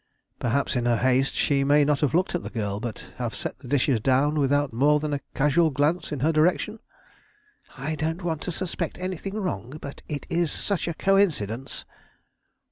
"Perhaps in her haste she may not have looked at the girl, but have set the dishes down without more than a casual glance in her direction?" "I don't want to suspect anything wrong, but it is such a coincidence!"